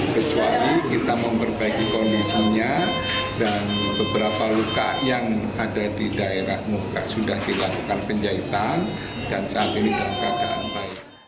kecuali kita memperbaiki kondisinya dan beberapa luka yang ada di daerah muka sudah dilakukan penjahitan dan saat ini dalam keadaan baik